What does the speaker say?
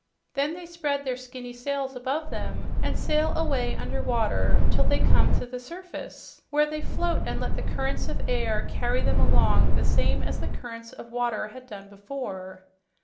Then they spread their skinny sails above them and sail away under water till they come to the surface, where they float and let the currents of air carry them along the same as the currents of water had done before.